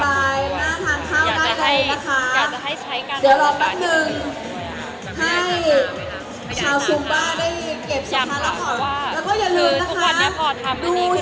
มาสไตล์ไบมาทานข้าวด้านใดนะคะ